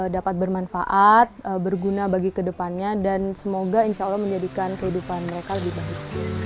dapat bermanfaat berguna bagi kedepannya dan semoga insya allah menjadikan kehidupan mereka lebih baik